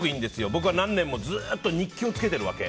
僕は何年もずっと日記をつけているわけ。